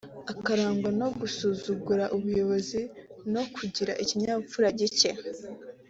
akarangwa no gusuzugura ubuyobokzi no kugira ikinyabupfura gike